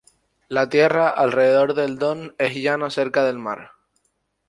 La tierra alrededor del Don es llano cerca del mar.